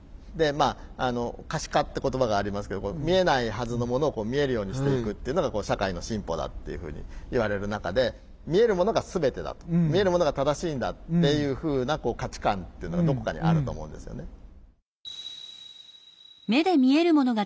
でまあ可視化って言葉がありますけど見えないはずのものを見えるようにしていくっていうのが社会の進歩だっていうふうにいわれる中で見えるものが全てだと見えるものが正しいんだっていうふうな価値観っていうのがどこかにあると思うんですよね。